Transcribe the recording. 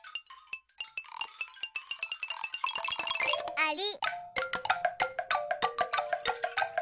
あり。